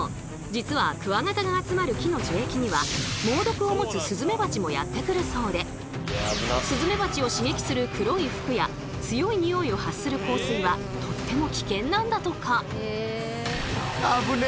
実はクワガタが集まる木の樹液には猛毒を持つスズメバチもやって来るそうでスズメバチを刺激する黒い服や強いニオイを発する香水はとっても危険なんだとか。